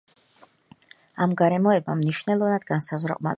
ამ გარემოებამ მნიშვნელოვნად განსაზღვრა ყმაწვილის მომავალი.